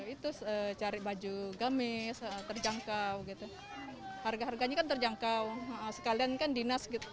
itu cari baju gamis terjangkau harga harganya kan terjangkau sekalian kan dinas gitu